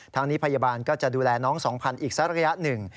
ทางนี้พยาบาลก็จะดูแลน้อง๒๐๐อีกสักระยะหนึ่ง